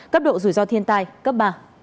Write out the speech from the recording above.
cấp độ rủi ro thiên tai cấp ba